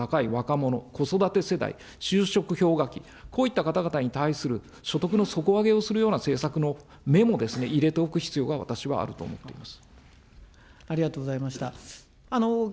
例えばエッセンシャルワーカー、限界消費性向の高い若者、子育て世代、就職氷河期、こういった方々に対する所得の底上げをするような政策の芽も入れておく必要が、私はあると思っております。